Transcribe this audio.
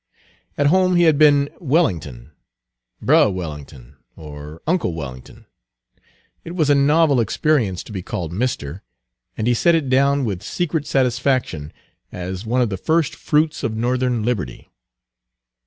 At home he had been "Wellin'ton," "Brer Wellin'ton," or "uncle Wellin'ton;" it was a novel experience to be called "Mister," and he set it down, with secret satisfaction, as one of the first fruits of Northern liberty.